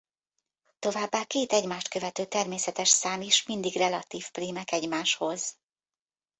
Továbbá két egymást követő természetes szám is mindig relatív prímek egymáshoz.